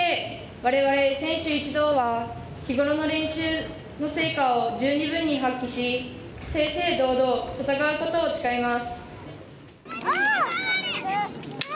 われわれ選手一同は日頃の練習の成果を十二分に発揮し正々堂々戦うことを誓います。